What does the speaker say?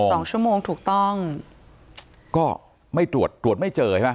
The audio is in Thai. สองชั่วโมงถูกต้องก็ไม่ตรวจตรวจไม่เจอใช่ไหม